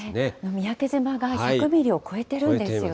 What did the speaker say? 三宅島が１００ミリを超えてるんですね。